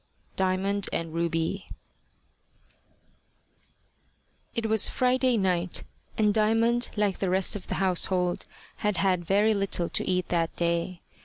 DIAMOND AND RUBY IT WAS Friday night, and Diamond, like the rest of the household, had had very little to eat that day.